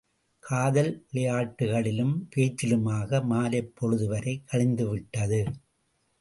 காதல் விளையாட்டுக்களிலும் பேச்சிலுமாக மாலைப் பொழுதுவரை கழிந்துவிட்டது.